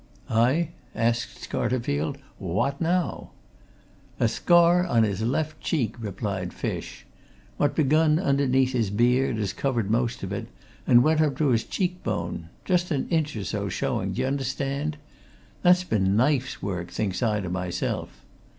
"Aye?" asked Scarterfield. "What, now?" "A scar on his left cheek," replied Fish. "What begun underneath his beard, as covered most of it, and went up to his cheek bone. Just an inch or so showing, d'ye understand? 'That's been knife's work!' thinks I to myself.